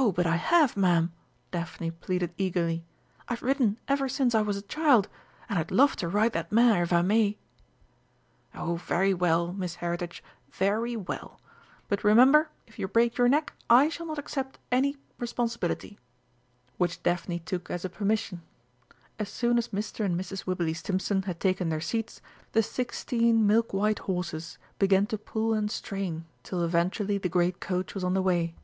"Oh, but I have, Ma'am!" Daphne pleaded eagerly. "I've ridden ever since I was a child. And I'd love to ride that mare, if I may!" "Oh, very well, Miss Heritage, ve ry well. But remember, if you break your neck, I shall not accept any responsibility," which Daphne took as a permission. As soon as Mr. and Mrs. Wibberley Stimpson had taken their seats, the sixteen milk white horses began to pull and strain till eventually the great coach was on the way.